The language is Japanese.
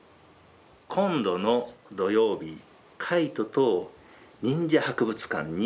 今度の土曜日カイトと忍者博物館に行きます。